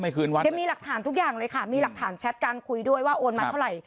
คืนวันแกมีหลักฐานทุกอย่างเลยค่ะมีหลักฐานแชทการคุยด้วยว่าโอนมาเท่าไหร่